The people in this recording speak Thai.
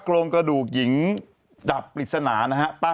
โกรมกระดูกหญิงจากพิษณานะฮะ